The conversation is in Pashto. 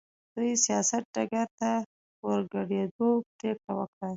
دوی سیاست ډګر ته د ورګډېدو پرېکړه وکړه.